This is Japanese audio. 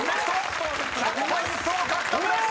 ［１００ポイント獲得です！］